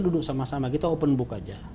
duduk sama sama kita open book aja